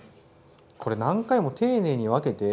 これ何回も丁寧に分けて。